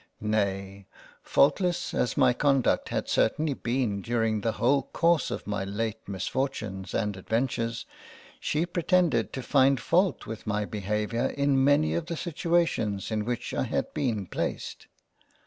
Nay, faultless as my conduct had certainly been during the whole course of my late misfortunes and adventures, she pretended to find fault with my behaviour in many of the situations in which I had been placed.